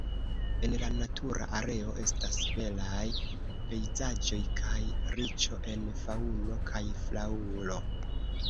En la natura areo estas belaj pejzaĝoj kaj riĉo en faŭno kaj flaŭro.